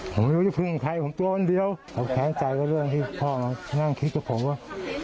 ผมตัวอันเดียวผมแข็งใจก็เรื่องที่พ่อมานั่งคิดกับผมว่า